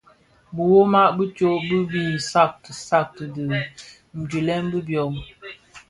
Biwuma bi tsog bin mbiň sakti sakti a dhilem bi byō.